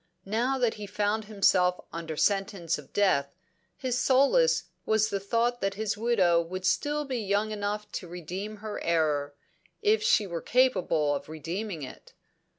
Now that he found himself under sentence of death, his solace was the thought that his widow would still be young enough to redeem her error if she were capable of redeeming it.